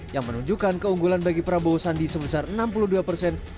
yang menunjukkan keunggulan bagi prabowo sandi sebesar enam puluh dua persen